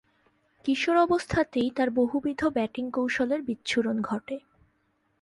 কিশোর অবস্থাতেই তার বহুবিধ ব্যাটিং কৌশলের বিচ্ছুরণ ঘটে।